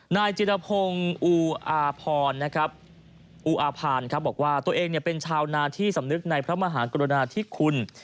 นายจิรพงศ์อูอาพรอูอาภารบอกว่าตัวเองเป็นชาวนาที่สำนึกในพระมหากรุณาธิคุณ